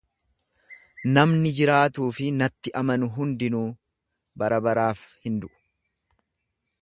Namni jiraatuu fi natti amanu hundinuu barabaraaf hin du'u.